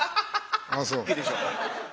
ああそう。